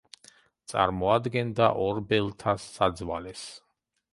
წარმოადგენდა ორბელთა საძვალეს.